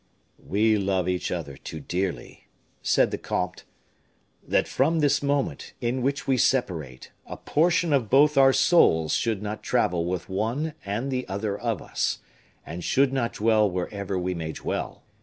"We love each other too dearly," said the comte, "that from this moment, in which we separate, a portion of both our souls should not travel with one and the other of us, and should not dwell wherever we may dwell.